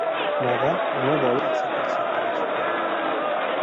দাদা, আমার বড়ো ইচ্ছে করছে একটা কিছু করি।